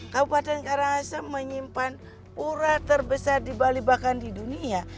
kabupaten karangasem menyimpan pura terbesar di bali bahkan di dunia